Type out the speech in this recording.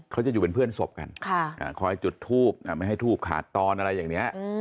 เขาจะอยู่เป็นเพื่อนศพกันคอยจุดทูบไม่ให้ทูบขาดตอนอะไรอย่างนี้